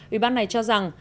ủy ban này cho rằng